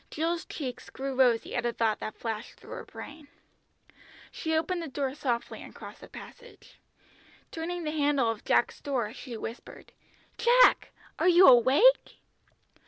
Jill's cheeks grew rosy at a thought that flashed through her brain. She opened the door softly and crossed the passage. Turning the handle of Jack's door she whispered, "Jack! Are you awake?"